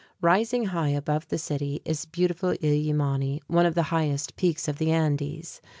Rising high above the city is beautiful Illimani, one of the highest peaks of the Andes.